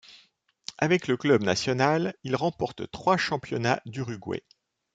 Avec le Club Nacional, il remporte trois championnats d'Uruguay.